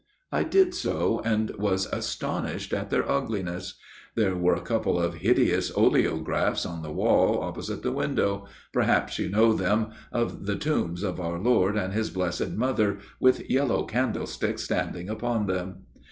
" I did so, and was astonished at their ugliness. There were a couple of hideous oleographs on the wall opposite the window perhaps you know them of the tombs of Our Lord and His Blessed THE FATHER RECTOR'S STORY 83 Mother, with yellow candlesticks standing upon them.